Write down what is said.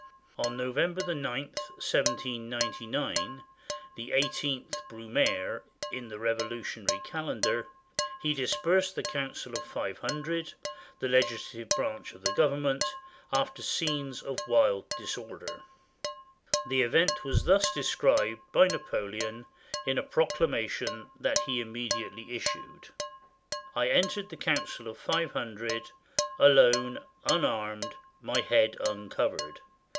On November 9, 1799, the eighteenth Brumaire, in the Revolutionary calendar, he dispersed the Council of Five Hundred, the legis lative branch of the Government, after scenes of wild dis order. The event was thus described by Napoleon in a proc lamation that he immediately issued: —" I entered the Council of Five Hundred, alone, unarmed, my head uncovered.